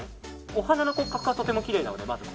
お鼻の骨格がとてもきれいなので。